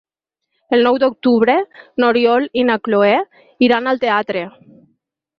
El nou d'octubre n'Oriol i na Cloè iran al teatre.